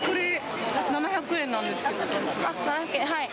７００円なんですけど。